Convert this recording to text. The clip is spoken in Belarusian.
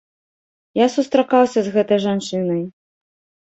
Я сустракаўся з гэтай жанчынай.